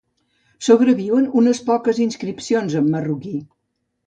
Sobreviuen unes poques inscripcions en marruquí.